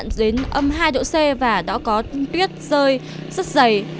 nhiệt độ ở đây đã ghi nhận đến âm hai độ c và đã có tuyết rơi rất dày